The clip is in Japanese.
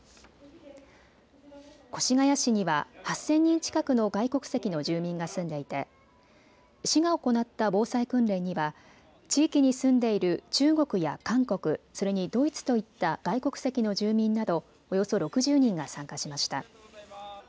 越谷市には８０００人近くの外国籍の住民が住んでいて市が行った防災訓練には地域に住んでいる中国や韓国、それにドイツといった外国籍の住民などおよそ６０人が参加しました。